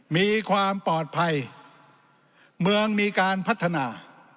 มีความปลอดภัยเมืองมีการพัฒนา